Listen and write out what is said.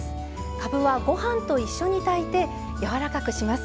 かぶはご飯と一緒に炊いてやわらかくします。